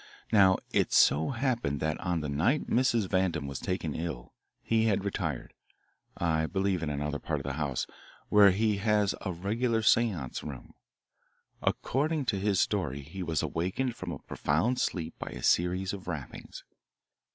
Now it so happened that on the night Mrs. Vandam was taken ill, he had retired I believe in another part of the house, where he has a regular seance room. According to his story, he was awakened from a profound sleep by a series of rappings.